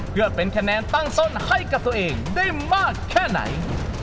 เพื่อเป็นคะแนนตั้งต้นให้กับตัวเองได้มากแค่ไหน